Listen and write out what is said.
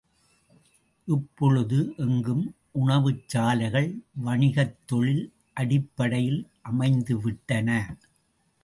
இப்பொழுது எங்கும் உணவுச் சாலைகள் வணிகத் தொழில் அடிப்படையில் அமைந்துவிட்டன.